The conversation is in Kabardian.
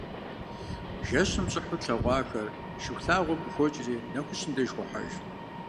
Жэщым пщӏыхьу тлъагъухэр Шыхулъагъуэм къыхокӏри, нэхущым деж хохьэж.